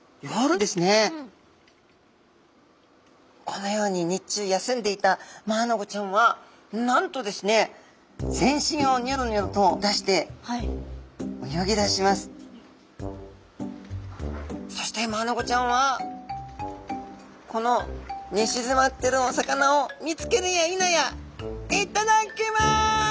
このように日中休んでいたマアナゴちゃんはなんとですね全身をニョロニョロと出してそしてマアナゴちゃんはこのねしずまってるお魚を見つけるやいなや「いっただっきます！」。